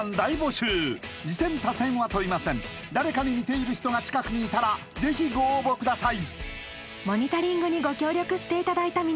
誰かに似ている人が近くにいたらぜひご応募ください！